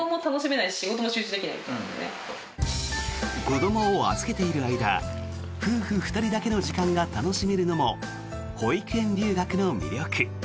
子どもを預けている間夫婦２人だけの時間が楽しめるのも保育園留学の魅力。